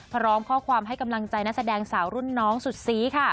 พร้อมข้อความให้กำลังใจนักแสดงสาวรุ่นน้องสุดซีค่ะ